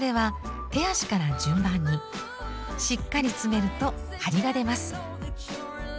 しっかり詰めるとはりが出ます。